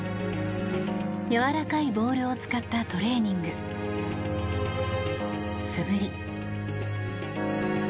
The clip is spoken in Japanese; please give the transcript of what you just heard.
やわらかいボールを使ったトレーニング、素振り。